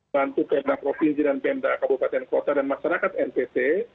bantu pendak provinsi dan pendak kabupaten kota dan masyarakat npp